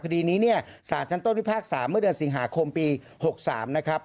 คดีนี้เนี่ยสารชั้นต้นพิพากษาเมื่อเดือนสิงหาคมปี๖๓นะครับ